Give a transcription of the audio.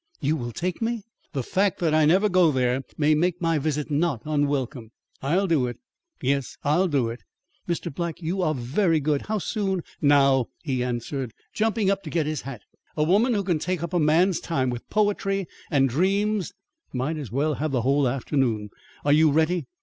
"You will take me " "The fact that I never go there may make my visit not unwelcome. I'll do it; yes, I'll do it." "Mr. Black, you are very good. How soon " "Now," he announced, jumping up to get his hat. "A woman who can take up a man's time, with poetry and dreams, might as well have the whole afternoon. Are you ready?